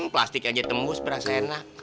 plastik aja tembus berasa enak